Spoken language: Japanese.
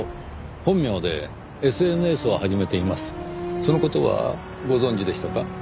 その事はご存じでしたか？